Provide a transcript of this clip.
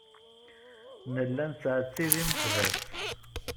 Nella nettɛettib imeḥbas.